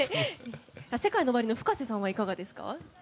ＳＥＫＡＩＮＯＯＷＡＲＩのＦｕｋａｓｅさんはどうですか？